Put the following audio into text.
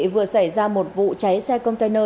vừa xảy ra một vụ cháy xe container